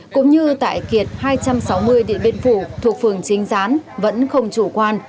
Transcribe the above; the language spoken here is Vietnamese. cũng như tại kiệt hai trăm sáu mươi địa biên phủ thuộc phường chính gián vẫn không chủ quan